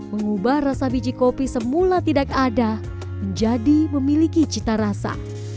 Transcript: mengubah rasa biji kopi semula tidak ada menjadi memiliki cita rasa